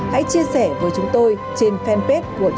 hãy chia sẻ với chúng tôi trên fanpage của truyền hình công an nhân dân